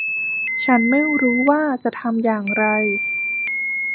ฉันไม่รู้ว่าจะทำอย่างไร